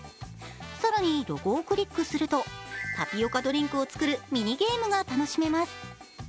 更にロゴをクリックするとタピオカドリンクを作るミニゲームが楽しめます。